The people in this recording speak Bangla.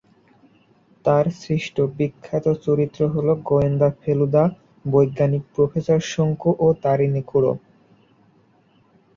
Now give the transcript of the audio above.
তার সৃষ্ট বিখ্যাত চরিত্র হল গোয়েন্দা ফেলুদা, বৈজ্ঞানিক প্রফেসর শঙ্কু ও তারিনীখুড়ো।